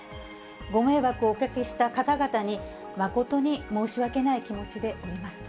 ご迷惑をおかけした方々に、誠に申し訳ない気持ちでおります。